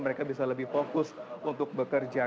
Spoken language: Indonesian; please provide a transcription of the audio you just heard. mereka bisa lebih fokus untuk bekerja